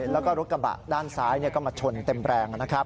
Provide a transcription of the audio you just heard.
แล้วก็รถกระบะด้านซ้ายก็มาชนเต็มแรงนะครับ